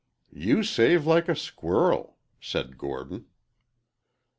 "You save like a squirrel," said Gordon.